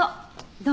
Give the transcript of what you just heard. どう？